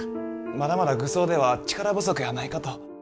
まだまだ愚僧では力不足やないかと。